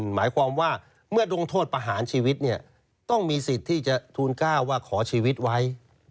หมายความว่าเมื่อดงโทษประหารชีวิตเนี่ยต้องมีสิทธิ์ที่จะทูลก้าวว่าขอชีวิตไว้